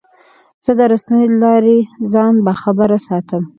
زه د رسنیو له لارې ځان باخبره ساتم.